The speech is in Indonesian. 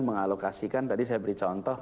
mengalokasikan tadi saya beri contoh